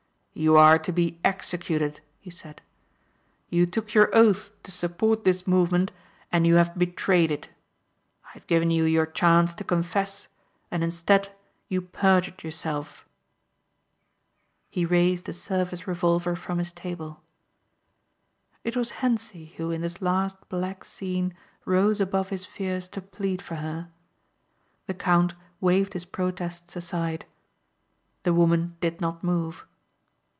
"You are to be executed," he said. "You took your oath to support this movement and you have betrayed it. I have given you your chance to confess and instead you perjured yourself." He raised a service revolver from his table. It was Hentzi who in this last black scene rose above his fears to plead for her. The count waved his protests aside. The woman did not move.